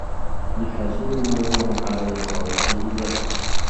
الحاسوب موضوع على يسار السيدات.